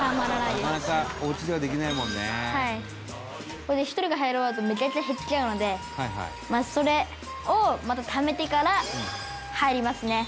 それで１人が入り終わるとめちゃくちゃ減っちゃうのでそれをまたためてから入りますね」